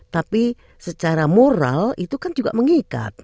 tapi secara moral itu kan juga mengikat